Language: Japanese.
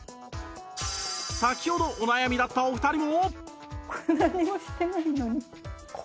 先ほどお悩みだったお二人も